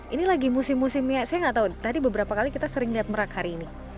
ini lagi musim musimnya saya nggak tahu tadi beberapa kali kita sering lihat merak hari ini